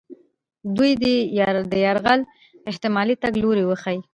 دوی دې د یرغل احتمالي تګ لوري وښیي.